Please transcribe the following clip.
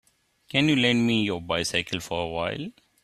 Can you lend me your bycicle for a while.